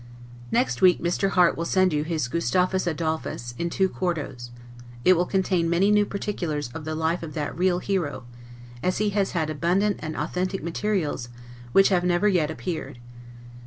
Next week Mr. Harte will send you his "Gustavus Adolphus," in two quartos; it will contain many new particulars of the life of that real hero, as he has had abundant and authentic materials, which have never yet appeared.